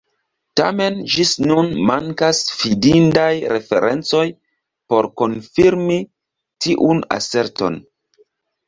Tamen ĝis nun mankas fidindaj referencoj por konfirmi tiun aserton.